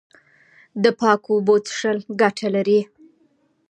د پاکو اوبو څښل ګټه لري.